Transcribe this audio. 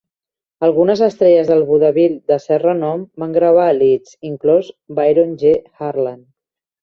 Algunes estrelles del vodevil de cert renom van gravar a Leeds, inclòs Byron G. Harlan.